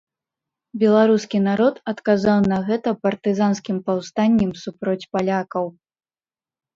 Беларускі народ адказаў на гэта партызанскім паўстаннем супроць палякаў.